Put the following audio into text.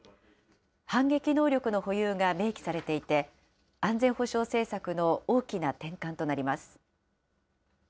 反撃能力の保有が明記されていて、安全保障政策の大きな転換となります。